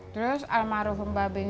terus alma humbabe